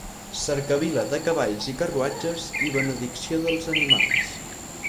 Cercavila de cavalls i carruatges i benedicció dels animals.